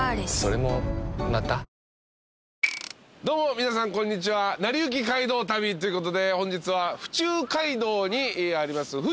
どうも皆さんこんにちは『なりゆき街道旅』ということで本日は府中街道にあります